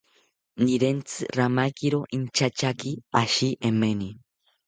Nirentzi ramakiro intyateyaki ashi emeni